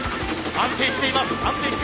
安定しています。